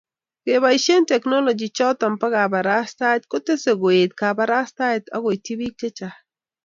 keboishe teknolochy choto bo kabarastaet ko tesee koet kabarastaet akoityi bik chechang